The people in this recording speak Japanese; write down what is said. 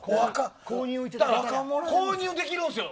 購入できるんですよ。